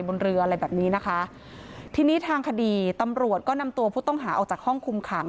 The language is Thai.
บนเรืออะไรแบบนี้นะคะทีนี้ทางคดีตำรวจก็นำตัวผู้ต้องหาออกจากห้องคุมขัง